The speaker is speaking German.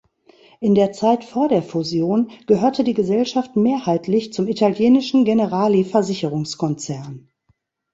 In der Zeit vor der Fusion gehörte die Gesellschaft mehrheitlich zum italienischen Generali-Versicherungskonzern.